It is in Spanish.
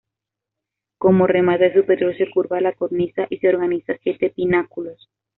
Como remate superior se curva la cornisa y se organizan siete pináculos.